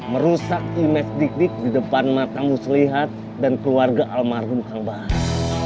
merusak image dik dik di depan matamu selihat dan keluarga almarhum kang bahan